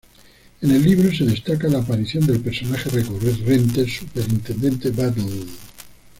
En el libro se destaca la aparición del personaje recurrente Superintendente Battle.